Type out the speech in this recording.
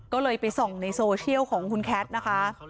ก็เลยไปส่องในโซเชียลของคุณแคทนะคะ